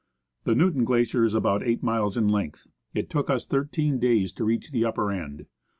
The Newton Glacier is about eight miles in length. It took us thirteen days to reach the upper end.